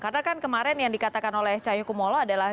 karena kan kemarin yang dikatakan oleh cahyukumolo adalah